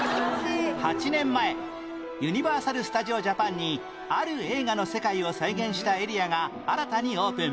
８年前ユニバーサル・スタジオ・ジャパンにある映画の世界を再現したエリアが新たにオープン